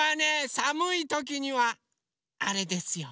さむいときにはあれですよ。